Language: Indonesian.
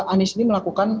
anis ini melakukan